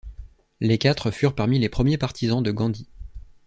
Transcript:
Les quatre furent les premiers partisans de Gandhi.